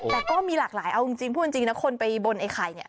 แต่ก็มีหลากหลายเอาจริงพูดจริงนะคนไปบนไอ้ไข่เนี่ย